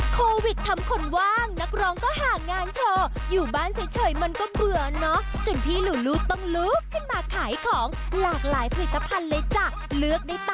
โปรดติดตามตอนต่อไป